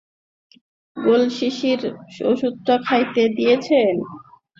গোল শিশির ওষুধটা খাইরে দিয়েছেন?